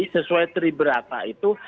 sesuai triberata itu